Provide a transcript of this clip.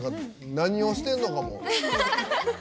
何をしてんのかも。